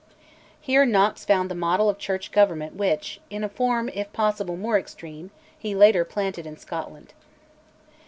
Here Knox found the model of Church government which, in a form if possible more extreme, he later planted in Scotland.